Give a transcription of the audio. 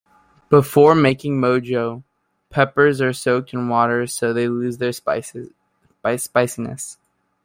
Before making mojo, peppers are soaked in water so they lose their spiciness.